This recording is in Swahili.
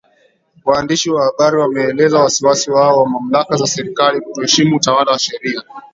Waandishi wa habari wameeleza wasiwasi wao wa mamlaka za serikali kutoheshimu utawala wa sheria